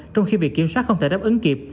trong khi việc kiểm soát không thể đáp ứng kịp